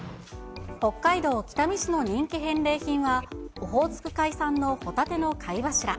北海道北見市の人気返礼品はオホーツク海産のホタテの貝柱。